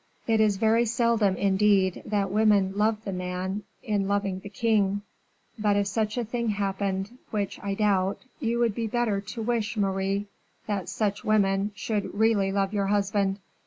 "It is very seldom, indeed, that women love the man in loving the king. But if such a thing happened, which I doubt, you would do better to wish, Marie, that such women should really love your husband.